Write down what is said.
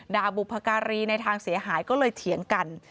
บุพการีในทางเสียหายก็เลยเถียงกัน